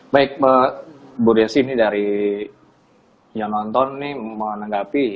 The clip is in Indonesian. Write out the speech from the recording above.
baik bu desi ini dari yang nonton ini menanggapi